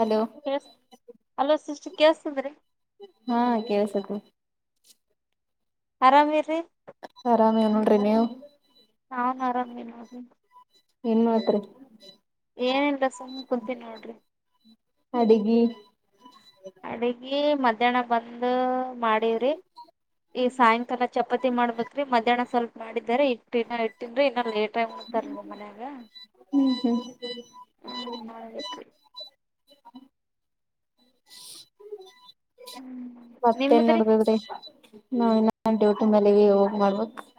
Hello hello sister ಕೇಳಿಸ್ತಿದೆ ರೀ? ಹಾ ಕೇಳಸತೈತಿ. [unintelligible] ಆರಾಮ ಅದಿರೀ? [unintelligible] ಆರಾಮ ಅದಿನೀ ನೋಡ್ರಿ ನೀವು? [unintelligible] ನಾವು ಆರಾಮ ಇದ್ದೀವಿ ನೋಡ್ರಿ. [unintelligible] ಏನ್ ಮಾಡತ್ರಿ [unintelligible] ಏನ್ ಇಲ್ಲ ಸುಮ್ಮ ಕುಂತೀನಿ ನೋಡರಿ. [unintelligible] ಅಡಗಿ [unintelligible] ಅಡಗಿ ಮಧ್ಯಾಹ್ನ ಬಂದ ಮಾಡಿವಿ ರೀ. [unintelligible] ಈಗ ಸಾಯಂಕಾಲ ಚಪಾತಿ ಮಾಡ್ಬೇಕ್ರಿ ಮಧ್ಯಾಹ್ನ ಸ್ವಲ್ಪ ಮಾಡಿದ್ದೆ ರೀ [unintelligible] ದಿನ ಇಟ್ಟಿಂದ ಇನ್ನ ಲೇಟ್ ಆಗಿ ಉಣತಾರ ನಮ್ಮ ಮನ್ಯಾಗ? [unintelligible] ಹೌದ [unintelligible] ಹೂ ಮಾಡ್ಬೇಕ್ರಿ. [unintelligible] ಹ್ಮ್ ಮತ್ತೇನ್ ನಿಮ್ದ್ರಿ ನಡದದ್ರಿ ನಾವ ಇನ್ನ ನಮ್ಮ ಡ್ಯೂಟಿ ಮೇಲ ಅದೀವಿ ಹೋಗ್ ಮಾಡ್ಬೇಕ್ [unintelligible]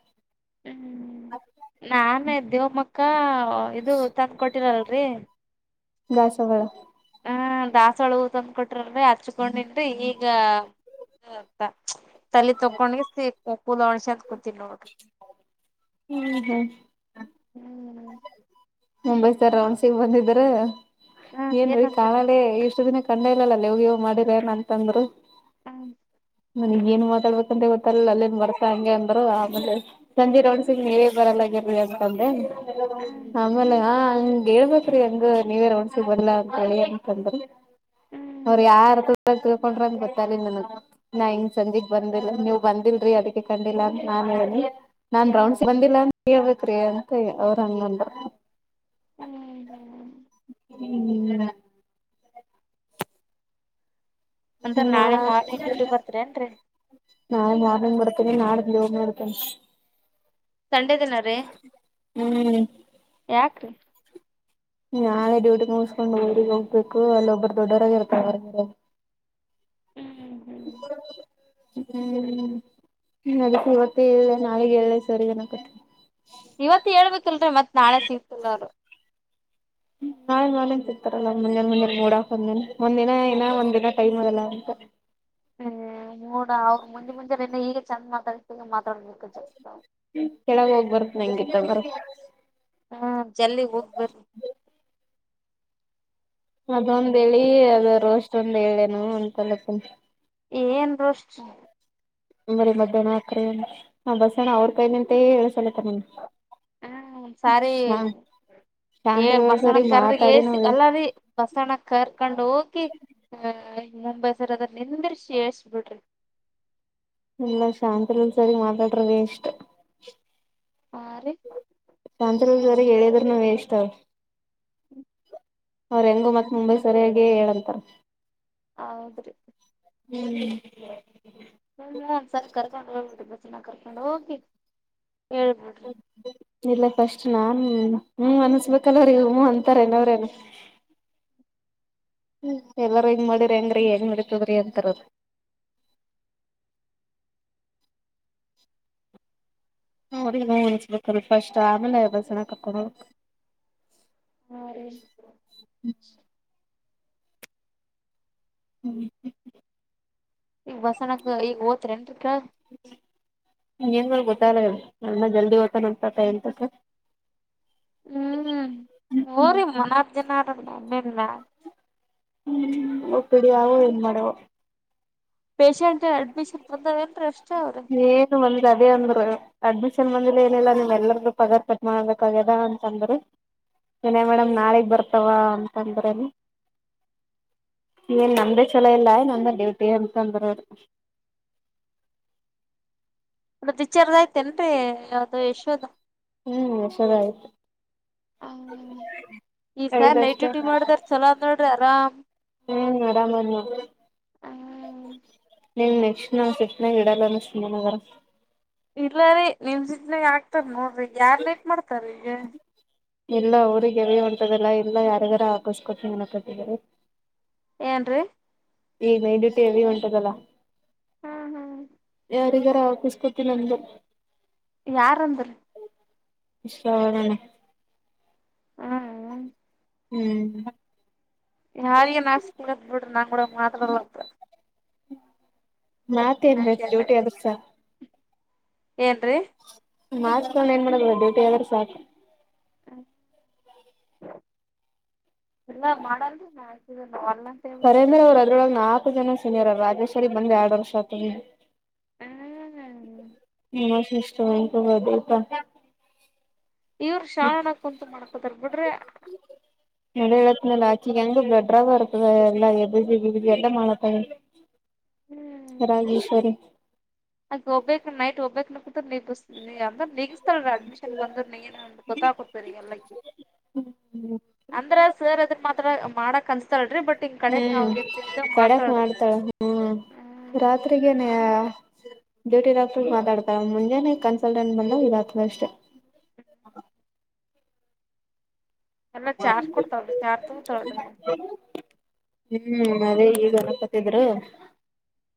[unintelligible] ನಾನ ದೇವಮ್ಮಕ್ಕ ಇದು ತಂದ್ ಕೊಟ್ಟಿದರಲ್ರರಿ. [unintelligible] ಭ್ಯಾಸಗಳ [unintelligible] ಹ ದಾಸವಾಳ ಹೂ ತಂದು ಕೊಟ್ರಲ್ರಿ ಹಚ್ಚಿಕೊಂಡಿದ ಈಗ ಅಂತ [unintelligible] ತಲೀ ಚೊಕ್ಕ ವನಗಿಸಿ ಕೂದಲ ವರೆಸ್ಕೊಂಡ [unintelligible] [inaudible] ಹೂ ಹ [unintelligible] ಹೂ [unintelligible] ಮುಂಬೈತರ ರನ್ಗ್ ಬಂದಿದ್ರ ಹ ಏನ್ರೀ ಏನಂದ್ರ ಕಾಾಲಳ ಇಷ್ಟು ದಿನ ಕಂಡ ಇಲ್ಲಲ್ಲಾ ಇವ್ಗ ಇವ್ ಮಾಡಿದರ ಏನ್ ಅಂತಂದ್ರು ಹ ನನಗ ಏನ್ ಮಾತಾಡ್ಬೇಕಂತ ಗೊತ್ತಾರಲ್ಲ ಅಲ್ಲಿೇನ್ ವರ್ಸ ಹಂಗೆ ಅಂದ್ರ ಆಮೇಲೆ ಸಂಜೆ ಹ್ಮ್ ರೋಡ್ಸಂಗ ಹೇ ಬರಲ್ಲಾಗಿರ್ರಿ ಅಂತಂದೆ ಹ್ಮ್ ಆಮೇಲೆ ಹ ಹಂಗ ಹೇಳ್ಬೇಕೇ್ರಿ ಹಂಗ ನೀವರ ಒನ್ಸಗ್ ಬಲ್ಲಾ ಅಂತಳಿ ಅಂತಂದ್ರ ಅವ್ರ ಹ್ಮ್ ಯಾರ್ರ್ಥದ ತಿಳ್ಕೊಂಡ್ರ ಅಂದ ಗೊತ್ತಿಲ್ಲ ನನ್ಗ್ ನಾ ಹಿಂಗ್ ಸಂಜೆಗ್ ಬಂದಿಲ್ಲ ನೀವ್ ಬಂದಿಲ್ ೀ ಅದಕ್ಕೆ ಕಂಡಿಲ್ಲಾ ನಾನು ಹೇಳಿ ನಾನ್ ಹ್ಮ್ ರೌಂಡ್ಸ್ ಬಂದಿಲ್ಲ ಅಂತ ಹೇಳ್ಬೇಕ್ರಿ ಅಂತ ಅವ್ರ ಹಂಗನ್ರು ಹ್ಮ್ ಹ್ಮ್ ಡ [unintelligible] ಅಂದ್ರ ನಾ ನಾಳೆ ಮಾರ್ನಿಂಗ್ ಡ್ಯೂಟಿ ಬರ್ತರಿ ಏನ್ರರಿ ನಾಳೆ ಮಾರ್ನಿಂಗ್ ಮಾಡಡ್ತೀನಿ ನಾಳೆ ದವ ಮಾಡಡ್ತೀನಿ ಸಂಡೆ ದಿನ ರೀ ಹ್ಮ್ [inaudible] ಯಾಕ್ರೀ ನಾಳೆ ಡ್ಯೂಟಿ ಮುಗಿಸಸ್ಕೊಂಡು ಓಗ್ ಹೋಗ್ಬೇಕು ಅಲ್ಲಿ ಒಬ್ಬ ದೊಡ್ಡವರಾಗಿ ಇರ್ತಾವ ಅವರ ಹ್ಮ್ ಹ್ಮ್ [inaudible] ಹ್ಮ್ ನ ಇವತ್ತ ಇಲ್ಲ ನಾಳಗ ಎ ಸರಿನಕತ್ತ ಇವತ್ ಹೇಳ್ಬೇಕಲ್ರರಿ ಮತ್ ನಾಳೆ ಸಿಗ್ತಿಲ್ ಅವರು ಹ್ಮ್ ನಾ ಮಾಡನ್ ಸಿಗ್ತಾರಲ್ಲ ಮುಂಜಾನ ಮುಂದ ಮೂೋಡಾಕ್ ಒಂದನ್ ಒಂದಿನ ಏ ಒಂದ್ ದಿನ ಟಮ್ರಲ್ಲ ಅಂತ ಹ್ಮ ಮೂೋಡ ಅವ ಮುಂದೆ ಮುಂಜೆ ನೆನ್ನೆ ಈಗ ಚಂದ ಮಾತಾಡತ ಈಗ ಮಾತಾಡ್ಬೇಕ ಕೆಳಗ ಹೋಗ್ ಬರ್ತ್ತ ನಂಗೆತ್ತ ಬರ ಜಲ್ಲಿ ಹೋಗ್ ಬರ್ರಿ ಅದೊಂದ ಹೇಳಿ ಅದ ರೋಸ್ಟ್ ಒಂದ್ ಹೇಳೇನು ಅಂತಲ್ಲ ಏನ್ ರೋಷ್ಟ ಬರಿ ಮಧ್ಯಾಹ್ನ ರಾತ್ರಿ ಹ ಬಸಣ್ಣ ಅವ್ರ ಕೈ ನಿಂತ ಹೇಳಸಲತ್ತ ನಿನ್ ಹ ಸಾರಿ ಏ ಶಾಂತಲ್ ಬಸಣ ಸರಿ ಕರ ಮಾತಾಡಿ ಏಸಿ ನಾವ ಅಲ್ಲಾರಿೀ ಬಸಣ ಕರ್ಕೊಂಡು ಹೋಗಿ ಹ ಈ ಮುಂಬೈಸರ್ ಅದ್ರ ನಿಂದ್ರಷಿ ಹೇಳ್ಸ್ಬಿಡ್ರಿ ಎಲ್ಲ ಶಾಂತಲಲ್ ಸರಿ ಮಾತಾಡ್ರ ಎಷ್ಟ ಹಾ ರೀ ತಂತ್ತ್ರದ ಜರಗೆ ಹೇಳಿಯದ್ರ ನಾವೇ ಇಷ್ಟ ಹ್ಮ ಅವ್ರ ಹೆಂಗೋ ಮತ್ ಮುಂಬೈ ಸರಿಯಾಗಿ ಹೇಳಂತಾರ ಹೌದ್ರೀ ಹ್ಮ್ ಹ್ಮ ಒಂದ್ಸರಿ ಕರ್ಕೊಂಡ್ ಹೋಗಬ ಬ ಸಿನ ಕರ್ಕೊಂಡು ಹೋಗಿ ಹೇಳ್ಬೇಡಿ ಇಲ್ಲ ಫಸ್ಟ್ ನಾನ್ ಹ್ಮ ಅನ್ಸ್ಬೇಕಲ್ಲವ್ರ ಇ ಅಂತಾರೇನವ್ರೇನ ಹ್ಮ ಎಲ್ಲಾರ ಹೆಂಗ್ ಮಾಡಿರಿಿ ಅಂಗ್ರೀ ಹೆಂಗ ಮಾಡತದ್ರಿ ಅಂತಾರದ [inaudible] ಅವರಿಗೆ ನೋ ಅನಿಸಬೇಕು ಫಸ್ಟು ಆಮೇಲೆ ಬಸಣ ಕಕೊಂಡ ಹೋಗು ಹಾ ರ [inaudible] ಹ್ಮ್ ಈಗ ಬಸನಕ್ ಈಗ ಓತ್ರ ಏನ್ರಿಕ ಏನ್ ಗೊತ್ತಲ್ಲ ನ ಜಲ್ದಿ ಓದ್ತಾನ ಅತತ ಎಂತಕ್ಕೆ ಹ್ಮ್ ಊರಿ ಮನಾರ್ ಜನ ನಮ್ಮಲ್ಲ ಹ್ಮ್ ಪಿಡಿ ಆ ಏನ್ ಮಾಡುವ ಪೇಶಷೆಂಟ್ ಅಡ್ಮಿಷನ್ ತಂದಾವೇಏನು ಅಷ್ಟ ಅವ ರೀ ಏನು ಬಂದ್ ಅದೇ ಅಂದ್ರು ಅಡ್ಮಿಷನ್ ಬಂದ ಏನಿಲ್ಲ ನಿಮ್ ಎಲ್ಲಾರೂ ಪಗಾರ್ ಪಟ್ ಮಾಡ್ಬೇಕಾಗ್ಯದ ಅಂತ ಅಂದ್ರಿ ಹಲೊ ಮೇಡಮ್ ನಾಳಿಗ್ ಬರ್ತಾವ ಅಂತಂದ್ರನು ಎನ್ ನಮ್ದೇ ಛಲೋ ಇಲ್ಲ ನಮ್ದೆ ಡ್ಯೂಟಿ ಅಂತಂದ್ರವ್ರು ರಿಜಿಸ್ಟರ್ ಆಯ್ತೆನ್ರೀ ಅದು ಯಶದು ಹ್ಮ್ ವರ್ಷಗಳಾಯ್ತು ಈ ಸಾರಿ ನೈಟ್ ಐದಷ್ಟೇ ಡ್ಯೂಟಿ ಮಾಡಿದಾರ ಚಲೋ ನೋಡ್ರಿ ಆರಾಮ್ ಹ್ಮು ಆರಾಮು ಹಲೊ ಹ್ಮ್ ನೀನ್ ನೆಕ್ಸ್ಟ್ ನಾ ಮಾಸ್ ಇಡಲ್ಲಂದ ನೆಕ್ಸ್ಟ್ ಬಾನುವಾರ ಇಲ್ಲ ರೀ ನಿಮ್ ಶಿಪ್ಟ್ನಾಗ ಆಗ್ತಾರ್ ನೋಡ್ರಿ ಯಾರ್ ವೇಟ್ ಮಾಡ್ತಾರ್ ರಿ ಇಲ್ಲ ಅವ್ರಿಗೆ ಅಂತದೆಲ್ಲ ಇಲ್ಲ ಯಾರಿಗಾರು ಆಕೋಸ್ಕೊತ್ತಿನಿ ಮತ್ ಕೊಟ್ಟಿದಿದ್ದಾರೆ ಏನ್ ರೀ ಏನ್ ನಡಿದಿದಂತ ಗೊಲ್ಲ ಹ್ಮ್ ಹ್ಮ್ ಯಾರಿಗಾರ ಆಕುಸ್ತಕನಂದು ಯಾರ ಅಂದ್ರು ಶ್ರವಣೆ ಹ್ಮೂಹೌ ಹ್ಮು ಯಾರಿಗೆ ನಾ ಆಕೊಸ್ಕೊಬಿಡ್ರಿ ನಾ ಕೂಡ ಮಾತಾಬಿಡ್ಲ ಯಾಕ ಹಂಗೆ ಮಾಡ್ತೀಯ ಗುಸ್ಸ ಏನ್ ರೀ ನಚ್ಕೊಂಡ್ ಏನ್ ಮಾಡನ ಡ್ಯೂಟಿ ಆದ್ರೂ ಸಾಕು ಹ ಎಲ್ಲ ಮಾಡಲ್ರಿ ನಾ ಅಕಿ ಜೊ ಸರೇಂದ್ರ ಅವರು ಅದ್ರೊಳಗೆ ನಾಲ್ಕು ಜನ ಸೀನಿಯರ್ ರಾಜೇಶ್ವರಿ ಬಂದ್ ಎರಡ್ ವರ್ಷ ಆಯ್ತು ಹ್ಮ್ ನ ಸುಷ್ಟಂತ [inaudible] ಬದತ ಇವ್ರು ಶಾ ನ್ ಕುಂತು ಮಾಡ್ಕೋಂತರ್ ಬಿಡ್ರಿ ಅಲ್ ಆಚಿಗೆ ಅಂದ್ರೆ ರೆಡ್ ರಾಗ್ ಹೊರ್ತದೆ ಎಲ್ಲಾ [inaudible] ಎಲ್ಲ ಮಾಡತ್ತ ರಾಗೇಶ್ವರಿ ಅಲ್ಲ್ ಹೋಗ್ ಬೇಕ್ ನೈಟ್ ಹೋಗ್ಬೇಕ ಕು ನೀಗುಸ್ [inaudible] ಹ ಅಡ್ಮಿಷನ್ ಬಂದರ್ನ ಎನಳ್ತ ಗೊತ್ತಾಗ್ರಿ ಎಲ್ಲಕ್ಕೆ ಅಂದ್ರ ಸರ್ ಅದುಕ್ ಮಾತ್ರ ಮಾಡಕ್ ಕಲ್ಸ್ತರ್ರಿ ಬಟ್ ಹಿಂಗ್ ಕಡೆಕ್ ನಾವ್ ಹ್ಮ್ ಇದ ಇದಂಗ ತರಕ್ ಮಾಡ್ತಾಳ್ರಿ. ಹೋಗ್ತಾನ್ ಹ್ಮು ರಾತ್ರಿಗೇನಾ ಡ್ಯೂಟಿ ಡಾಕ್ಟರ್ ಮಾತಾಡ್ತಾರೆ ಮುಂಜಾನೆ ಕನ್ಸಲ್ಟೆಂಟ್ ಬಂದ್ರೆ ಇರೋದ್ ಕಷ್ಟ [inaudible] ಎಲ್ಲಾ ಚಾರ್ಜ್ ಕೊಡ್ತಾವ್ರಿ ಚಾರ್ತು ತರ್ಡೆ ಹ್ಮು ಅದೇ ಈಗ ಗನಪತಿದ್ರೆ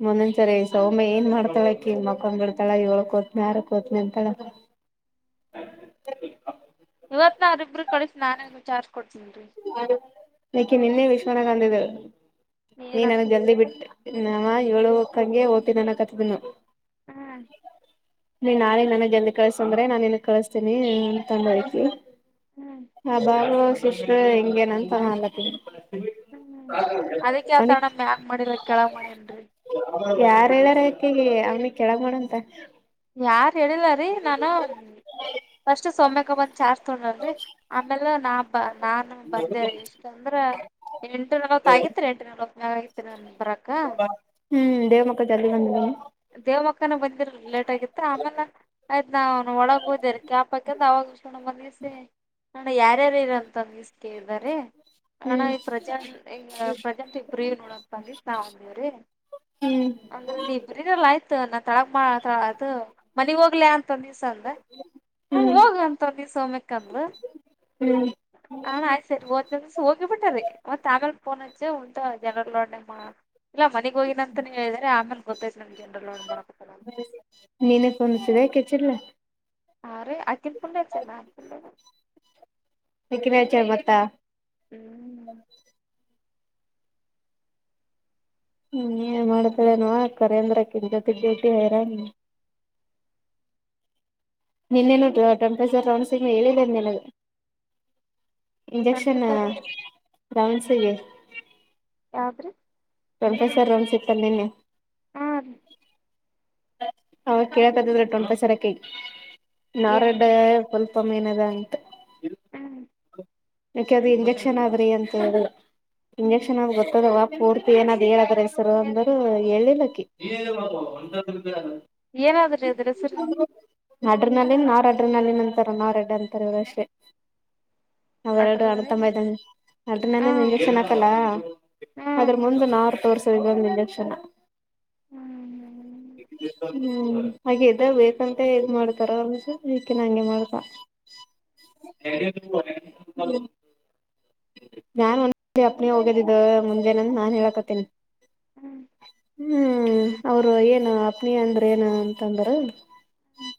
ಮುಂದೊಂದ್ಸರಿ ಸೌಮ್ಯ ಏನ್ ಮಾಡ್ತಾಳ ಅಕ್ಕಿ ಮಕ್ಕಂಡಿರ್ತಳ ಏಳುಕ್ ಹೋತನಿ ಆರಕ್ ಹೋತಿನ್ ಅಂತಾಳ [inaudible] ಇವತ್ ನ ಅವ್ರಿಬ್ಬರು ಕಳಿಸಿ ನಾನೆ ವಿಚಾರ್ಸಿ ಕೊಡ್ತೀನಿರ್ರಿ ಇಕಿನ ಇಲ್ಲೇ ಇರ್ಸೊಕೊಳ್ಳನಂದಿದೆ ನೀ ಏನಂತ ನನಗ್ ಜಲ್ದಿ ಬಿಟ್ ನಾವ ಏಳು ಹಕ್ಕಂಗೆ ಓತಿನೇನ ಕತ್ತ್ ಬಿನ್ನು ಹ್ಮ್ ನೀನ್ ನಾಳೆ ನನಗ್ ಎಲ್ ಕಳ್ಸ್ಸಂದ್ರೆ ನಾನ್ ಇನ್ ಕಳಸ್ತೀನಿ ಅಂತ ಅಂದಿ ಹ್ಮ್ ಹ ಬಾರ ಸಿಸ್ರ ಹೆಂಗೇನಂತಲತಿ [inaudible] ಹ್ಮ್ ಅದಕ್ಕೆ ಆತಣ ಮ್ಯಾಗ್ ಮಾಡಿಲ್ಲ ಕೆಳಗ್ ಮಾಡೇನ್ರಿ ಯಾರ ಹೇಳಾರ ಇಕಿಗೆ ಅವ್ನಿಗ್ ಕೆಳಗ್ ಮಾಡಂತ ಯಾರ್ ಹೇಳಿಲ್ಲಾರಿ ನಾನು ಫಸ್ಟ್ ಸೋಮ್ಯಕಬಂದ್ ಚಾಸ್ ತಗಲ್ರಿ ಆಮೇಲೆ ನಾ ಬ ನಾನು ಬಂದೇರಿ ಇಷ್ಟು ಅಂದ್ರೆ ಎಂಟು ನವತ್ತಗಿತ್ತುರಿ ಎಂಟು ನಲ್ವತ್ ಮೇಲಆಗಿತ್ತುರಿ ನನ್ಗೆ ಹ್ಮ್ ದೇವ್ ಮಕ್ಕ ಜರ್ ಬಂದಿ ದೇವ್ ಮಕ್ಕನ ಬಂದಿರ್ಲಿಲ್ ಲೇಟ್ ಆಗಿತ್ತು ಆಮೇಲೆ ಆಯ್ತು ನಾ ಒಳಗ್ ಹೋದೇ ರಿ ಕ್ಯಾಪ್ ಹಾಕಂದು ಅವಾಗ ಷಣ ಮನಸೆ ಣಯಾರ್ಯಾರು ಇರಂತ ಮಿಸ್ ಕೇಳ್ದರೆ ಅಣ್ಣ ಹ್ಮ್ ಈ ಪ್ರೆಸೆಂಟ್ ಈ ಪ್ರೆಸೆಂಟ್ ಇಬ್ರೀ ನೋಡಕ್ ಬ ಅಂದಿ ನಾವ್ ಅಂದವ್ರೀ ಹ್ಮ್ ಅಂದ್ರೆ ಇಬ್ರನಲ್ಲ ಆಯ್ತು ತಳ ಮಾತ್ರ ಅದು ಮನಗ್ ಹೋಗ್ಲ ಅಂತ ದಿವ್ಸ ಅಂದ ಹ್ಮ ಹ್ಮ್ ಹೋಗಂತ ನೀ ಸೋಮ್ಯಕ್ಕಂದ್ರ ಹ್ಮ್ ಹಾ ಆ್ತ ಸರಿ ಹಓದ್ನ ದಿವಸ ಹೋಗಿ ಬಿಟ್ಟ ರ ಮತ್ತತ ಆಗಲ್ ಫೋನ್ಚ್ಚೆ ಉಂಟಾ ಜನರ ಲೋಡಣ ಇಲ್ಲ ಮನೆಗ್ ಹೋಗಿನಂತನ ಹೇಳಿದಾರೆ ಆಮೇಲೆ ನೀನೆ ಕೊಂದು ಸಿಿವಾಯ ಕೆಚ್ಚಿಲ್ಲ ಆರೆ ಅಕ್ಕಿನ್ ಪುಲ್ಲೆಚ್ಚಲ್ಲ ನನ್ ಪುಲ್ಲ ತ್ತ ಹ್ಮ್ ಹ್ಮ್ ಏನ್ ಮಾಡತರನು ಕರೇಂದ್ರಕ್ಕಿನ್ ಜೊತೆಗ್ೇಟ ಹರ ನೀ ನಿನ್ನೇನು ಟೆಂಪ್ರೇಚರ್ ರಡೌನ್ಸ್ಗ ಹೇಳಿದೆೇನೆ ನಿನಗೆ ಇಂಜೆಕ್ಷನ್ ಅಂಟತಾರ ೌನ್ಸಿಗೆ ಆದ್ರೆ ಪ್ರೊಫೆಸರ್ ರೋಮ್ಸ ಇತ್ತ ನಿನ್ನ ಆ ಅವಾಗ ಕೇಳಕತಿದ್ರ ಟೊಲ್ಪ ಚರಕೈ ಏನಂದ್ರಿ ನಾರಡ್ಡಲ್ ಅಪ್ಪ ಮೇನದ ಅಂತ ಹ್ಮ್ ಯಾಕೆದು ಇಂಜೆಕ್ಷನ್ ಆದ್ರಿ ಅಂತ ಹೇಳ ಹ್ಮ್ ಇಂಜೆಕ್ಷನ್ ಆದ ಗೊತ್ತದವ ಪೂರ್ತಿ ಏನಾದ್ ಹೇಳದ್ರ ಹೆಸರು ಅಂದ್ರ ಎಲಕ್ಕ ಏನಾದ್ರೆ ಅದ್ರ ಹೆಸರು ನಡ್ರನಲ್ಲಿ ನಾವ್ರ ಅಡ್ರನಲ್ಲಿನ್ ಅಂತಾರ ನಾವ್ ಅಡ್ರ ಅಂತಾರ ಇವರುಷ್ಟೆ ಅಡ್ರ ಅವೆರಡು ಅಡು ಹ್ಮ್ ತಂಬೈತ ಅಡ್ರ ನ ಹ್ಮ್ ಇಂಜೆಕ್ಷನ್ ಹಾಕಲ್ಲ ಅದ್ರ ಮುಂದ ಹ್ಮ್ ನಾರು ತೋರ್ಸುದಗ ಒಂದು ಇಂಜೆಕ್ಷನ್ ಹ್ಮ್್ಮ ಹ್ಮ್ ಹಾಗೆದ ಬೇಕಂತ ಹೆಗ್ ಮಾಡ್ತಾರ ಒಂದಸ ಇದಕೆ ನ ಹಂಗೆ ಮಾಡ್ತ [unintelligible] ನಾನ್ ಒಂದ ಅಪ್ನ ಹೋಗದಿದ್ದ ಮುಂದೆನಂದು ನಾನ್ ಹೇಳಕತ್ತೇನಿ [inaudible] ಹ್ಮ್ ಅವರು ಏನು ಅಪ್ನಿ ಅಂದ್ರ ಏನ ಅಂತಂದರು ಹ್ಮ್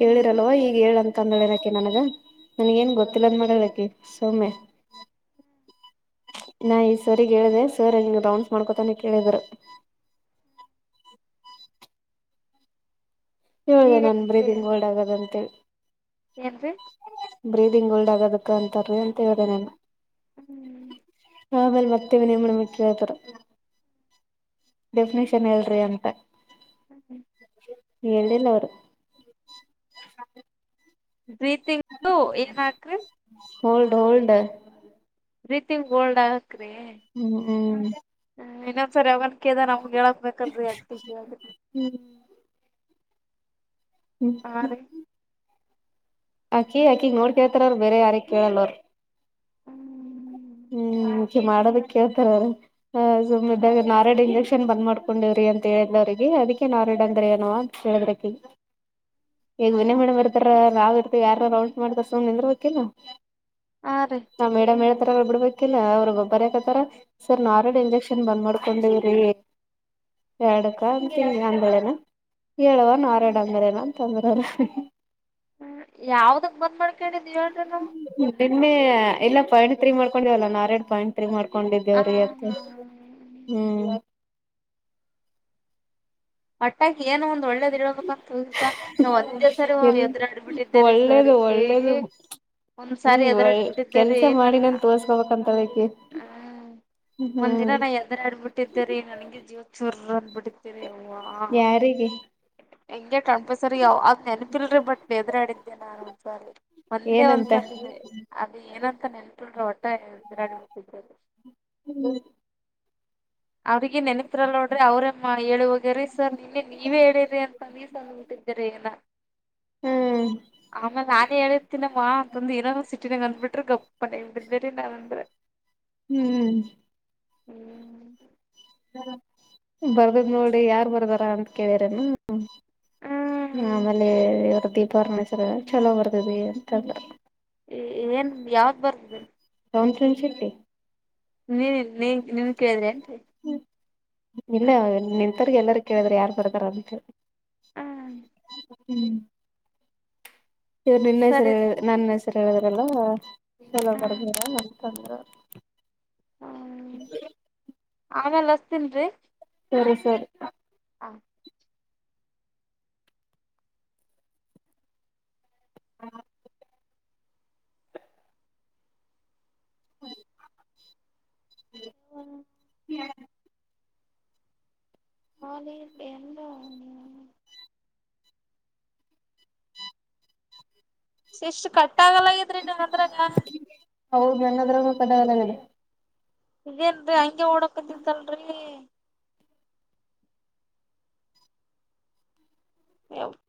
ಹೇಳಿರಲ್ವ ಈಗ ಹೇಳಂತ ಅಂದ ಹೇಳಿರಾಕಿ ನನಗ ನನ್ಗ ಏನ್ ಗೊತ್ತಿಲ್ಲ ಅಂದ್ ಮಾಡಬೇಕಿ ಸೊಮ್ಮೆ ನಾ ಈ ಸರಿಗ್ ಹೇಳಿದೆ ಸರ್ ನಿಂಗ ರೌಂಡಸ್ ಮಾಡ್ಕೊತಾನ ಕೇಳಿದರು [unintelligible] ಹೇಳುದ ನನ್ ಬ್ರೀದಿಂಗ್ ಓಡ್ ಆಗದ ಅಂತೇಳಿ ಏನ್ರೀ ಬ್ರೀದಿಂಗ್ ಒಲ್ಡ್ ಆಗದಕ್ಕ ಅಂತಾರೀ ಅಂತ ಹೇಳ್ದ ನನ್ ಆಮೇಲೆ ಬರ್ತೇವ ನೀವು್ಮ ಕೇಳ್ತರ ಡೆಫಿನಿಷನ್ ಎಲ್ರಿ ಅಂತ [inaudible] ಹೇಳಿಲ್ಲ ಅವರು ಪ್ರೀತಿ ಯಿತು ಯಿದಹಾಕ್ರಿ ಹೋಲ್ಡ್ ಹೋಲ್ಡ್ ರೀತಿಂಗ ಗೋಲ್ಡ್ ಹಕ್ರಿ ಹ ಹ್ಮ್ ಇನ್ನೊಂದ್ಸರಿ ಅವ ಅದ ನಮ್ಗೆ ಹೇಳಕ್ಬೇಕಲ್ರರಿ ಅ ಆಗ ಹ್ಮ್ ಅಕ್ಕಿ ಅಕಿಗ್ ನೋಡ್ ಕೇಳ್ತಾರಲ್ ಬೇರೆ ಯಾರಗ್ ಕೇಳಲ್ವರ್ ಹ್ಮ್ ಹ್ಮ್ೆ ಮಾಡೋದ ಕೇಳ್ತಾರ ಸುಮ್ಮ ಇದಾಗ ನಾರಡ ಯಿಂಜಕ್ಷನ್ ನ್ ಬಂದ್ ಮಾಡ್ಕೊಂಡಿವವ್ರಿ ಅಂತ ಹೇಳಿದಿಲ್ಲ ಅವ್ರಿಗೆ ಅದಕ್ಕೇನ್ ಅವ್ರ ಇಡ ಅಂದ್ರ ಏನೋ ಅಂತ ಹೇಳೇಳ್ರ ಈಗ ವಿನಯ ಮೇಡಮ್ ಇರ್ತಾರ ನಾವ ಇರ್ತವಿ ಯಾರ ರೌಂಡ್ ಮಾಡ್ತ ಸುಮ್ ನಿಂದ್ರ ಬೇಕಿಲ್ಲ ಹಾ ರೀ ನಾ್ ಮೇಡಮ್ಡತರ ಬಿಡ್ಬೇಕಿಲ್ಲ ಅವ್ರಗೊಬ್ಬರ ಹಕತ್ತಾರ ಸರ್ ನಾ ಅಲ್ರೀಡಿ ಇಂಜೆಕ್ಷನ್ ಬಂದ್ ಮಾಡ್ಕೊಂಡೇವ್ರಿ ಎರಡಕ್ಕ ಅಂತ ಹ್ಮ್ ಹಿಗೆ ಅಂಗಳೇನಾ ಹೇಳುವ ನ ಹ್ಮ್ [unintelligible] ಮೇಲೆನ ಅಂತಂದ್ರರು ಹ ಯವ್ದುಕ್ ಬಂದ್ ಮಾಡ್ ನಿನ್ನೆ ಎಲ್ಲ ಪಾಯಿಂಟ್ ತ್ರ್ರೀ ಮಾಡ್ಕೊಂಡವಲ್ಲ ನಾರಾಯಣ ಪಾಯಿಂಟ್ ತ್ರೀ ಮಾಡ್ಕೊಂ ಆ ಕಕೊಂಡಿದ್ದೇವ್ರೀ ಅತ್ತೆ ಹ್ಮ್ ಅಟ್ಟಾ ಏನೋ ಒಂದ್ ಒಳ್ಳೇದ ಇಡಬೇಕಂತ ಅಲ್ತಾ ನಾವು ಒಂದೇ ಸರಿ ಇಲ್ ಎದುರಾಡ್ಬಿಟ್ಟಿದ್ದೇರಿ ಸರ್ಗ ಹ್ಮ ಒ ರೀ ಕೆಲ್ಸ ನಾನ ಮಾಡಿನನ್ ತೋರ್ಸ್ಕೋಬೇಕಂತದಕ್ಕೆ ಒಂದ್ ದಿನ ನಾ ಯದ್ರ ಆಡ್ಬಿಟ್ಟಿದ್ದೇರಿ ನನ್ಗೆ ಜೀವ ಚೂರ್ ಅಂದ್ಬಿಟ್ಟೇರಿ ಯಾರಿಗೆ ಹೆಂಗೆ ಕಾಣ್ಪಸ್ರರಿ ಯಾವ ಅದ್ ನೆನಪಿಲ್ರಿ ಬಟ್ ಎದ್ರಾಡಿದ್ದೆ ನಾನು ಒಂದ್ಸಾರಿ. ಒಂದೆ ಏನಂತ ಒಂದ್ಸಾರಿ ಇದೆ ಅದ ಏನಂತ ನೆಲ್ಪಲ್ರ ಒಟ್ಟೆ ಬಿರಾಡಿ ಹೋಗೋಗಿದ್ದದು ಹ [unintelligible] ಅವ್ರಿಗೆ ನೆನ್ಪಿಲ್ಲ ನೋಡ್ರಿ ಅವ್ರೇ ಹೇಳುವೋಗ್ಯಾರೀ ಸರ್ ನಿನ್ನೆ ನೀವೇ ಹೇಳಿರಿ ಅಂತ ನೀ [unintelligible] ಏನ ಆಮೇಲೆ ನಾನೇ ಹೇಳಿರ್ತೀನಮ್ಮ ಅಂತಂದು ಏನ ಸಿ [unintelligible] ಅಂದ್ ಬಿಟ್ರೆ ಗಪ್ಪನ ಬಿದ್ದೇರಿ ನಾನ್ ಅಂದ್ರೆ. ಹ್ಮ್ ಹ್ಮ್ ಬರ್ದದ್ ನೋಡ್ರಿ ಯಾರ್ ಬರ್ದಾರ ಅಂತ ಕೇಳಿರೇನು ಹ್ಮ್ ಆಮೇಲೆ ಇವರ ದೀಪಾವಣಸರ ಚಲೋ ಬರ್ದದೆ ಅಂತ ಅಂದ್ರು. ಏನ್ ಯಾವ್ದ ಬರ್ತದೆ ಕಂಟನ್ ಶಿಪ್ಟು ನೀನ್ ನೀ ನೀನ್ ಕೇಳಿದ್ರಿ ನ್ರಿ ಇಲ್ಲ ನಿಂತರ್ಗೆ ಎಲ್ಲಾರ ಕೇಳಿದ್ರ ಯಾರ್ ಬರ್ತಾರ ಅಂತೇಳಿ. ಹ್ಮ್ ಹ್ಮ್ ಇವರು ನಿನ್ನ ಹೆಸರ ಸರಿ ನನ್ನ ಹೆಸ [unintelligible] ಬ ನತ ಹ್ಮ್ ಹ [unintelligible] ಆಮೇಲ್ ಹಚ್ಚಿತಿನಿ ರಿ ಸರಿ ಸರಿ ಹ [inaudible] ಹ್ಮ್ [inaudible] [unintelligible] ಹಾ ನೀ [unintelligible] ಶಿಶ್ ಎಷ್ಟು ಕಟ್ ಆಗಲ್ಲಗಿದ್ರಿ ನಂದ್ರಗ ಹೌದ್ ನನದ್ರಗು ಕಟ್ಟಗಲ್ ನೋಡಿ ಇದೇನ್ರರಿ ಹಂಗೆ ಓಡಕದಿದ್ದಲ್ರರಿ. [unintelligible]